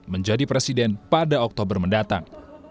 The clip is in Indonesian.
menjadi presiden pada oktober mendatang